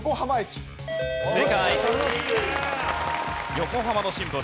横浜のシンボル